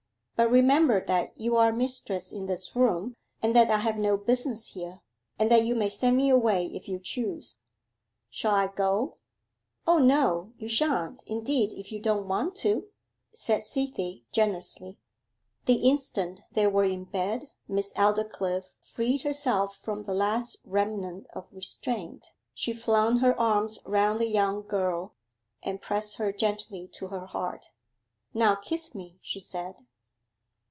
But remember that you are mistress in this room, and that I have no business here, and that you may send me away if you choose. Shall I go?' 'O no; you shan't indeed if you don't want to,' said Cythie generously. The instant they were in bed Miss Aldclyffe freed herself from the last remnant of restraint. She flung her arms round the young girl, and pressed her gently to her heart. 'Now kiss me,' she said.